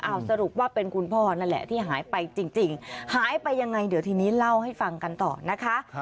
เอาสรุปว่าเป็นคุณพ่อนั่นแหละที่หายไปจริงหายไปยังไงเดี๋ยวทีนี้เล่าให้ฟังกันต่อนะคะ